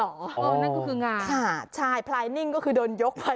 นั่นก็คืองานใช่พลายนิ่งก็คือโดนยกมา